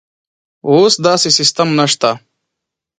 اوس داسې سیستم نشته.